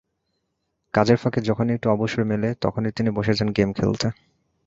কাজের ফাঁকে যখনই একটু অবসর মেলে, তখনই তিনি বসে যান গেম খেলতে।